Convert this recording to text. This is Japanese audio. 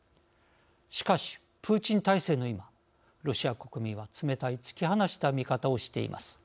しかしプーチン体制の今ロシア国民は冷たい突き放した見方をしています。